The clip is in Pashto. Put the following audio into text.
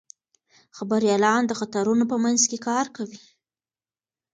خبریالان د خطرونو په منځ کې کار کوي.